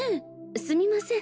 すみません。